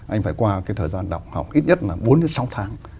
anh phải qua cái thời gian đọc học ít nhất là bốn đến sáu tháng